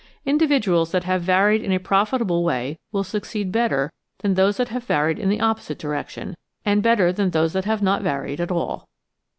Individuals that have varied in a profit able way will succeed better than those that have varied in the opposite direction, and better than those that have not varied at all.